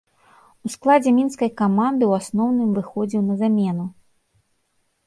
У складзе мінскай каманды ў асноўным выхадзіў на замену.